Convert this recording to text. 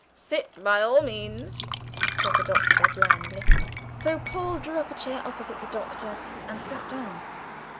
"Sit by all means," said the Doctor blandly. So Paul drew a chair opposite the Doctor and sat down.